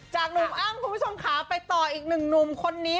หนุ่มอ้ำคุณผู้ชมขาไปต่ออีกหนึ่งหนุ่มคนนี้